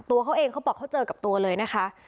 ตัวเขาเองเขาบอกเขาเจอกับตัวเลยนะคะ